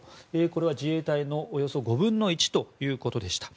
これは自衛隊のおよそ５分の１ということでした。